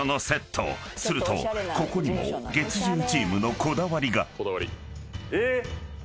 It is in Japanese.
［するとここにも月１０チームのこだわりが］